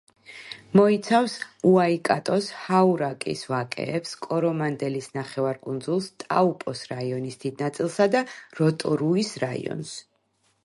მოიცავს უაიკატოს, ჰაურაკის ვაკეებს, კორომანდელის ნახევარკუნძულს, ტაუპოს რაიონის დიდ ნაწილსა და როტორუის რაიონს.